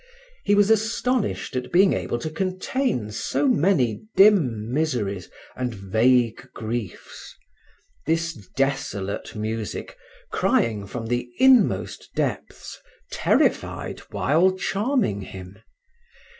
He was astonished at being able to contain so many dim miseries and vague griefs. This desolate music, crying from the inmost depths, terrified while charming him.